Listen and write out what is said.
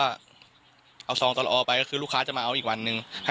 ฟังเสียงลูกจ้างรัฐตรเนธค่ะ